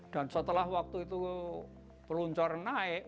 dan setelah waktu itu peluncur naik